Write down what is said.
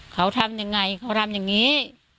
เขาทำยังไงเขาทำอย่างนี้